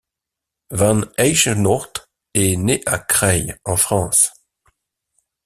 Van Heijenoort est né à Creil en France.